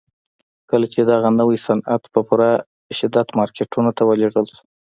کله چې دغه نوي صنعت په پوره شدت مارکيټونو ته ولېږل شو.